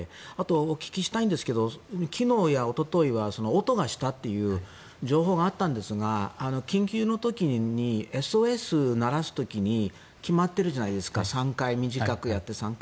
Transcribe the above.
お聞きしたいんですが昨日やおとといは音がしたという情報があったんですが緊急の時にＳＯＳを鳴らす時に決まってるじゃないですか３回短くやって３回。